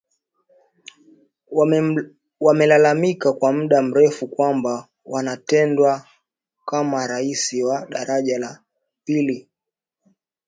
Wamelalamika kwa muda mrefu kwamba wanatendewa kama raia wa daraja la pili.